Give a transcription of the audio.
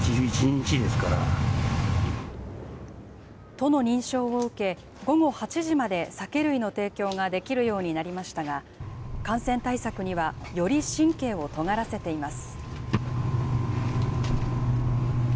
都の認証を受け、午後８時まで酒類の提供ができるようになりましたが、感染対策にはより神経をとがらせています。